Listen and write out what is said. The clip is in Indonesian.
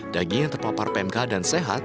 daging yang terpapar pmk dan sehat